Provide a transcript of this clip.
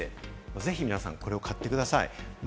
ぜひ皆さん、これを買ってください。